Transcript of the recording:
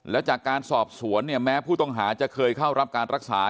แล้วจากการสอบสวนเนี่ยแม้ผู้ต้องหาจะเคยเข้ารับการรักษา